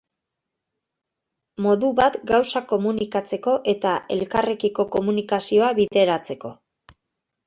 Modu bat gauzak komunikatzeko eta elkarrekiko komunikazioa bideratzeko.